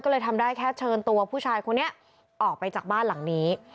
ก็เลยทำได้แค่เชิญตัวผู้ชายคนนี้ออกไปจากบ้านหลังนี้